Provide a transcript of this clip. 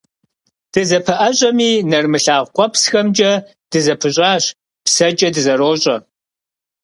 Дызэпэӏэщӏэми, нэрымылъагъу къуэпсхэмкӏэ дызэпыщӏащ, псэкӏэ дызэрощӏэ.